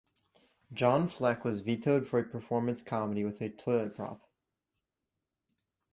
John Fleck was vetoed for a performance comedy with a toilet prop.